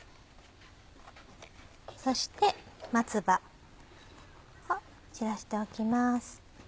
そして松葉を散らしておきます。